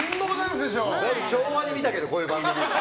昭和で見たけど、こういう番組。